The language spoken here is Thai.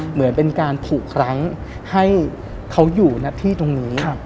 เหมือนเป็นการผูกรั้งให้เขาอยู่หน้าที่ตรงนี้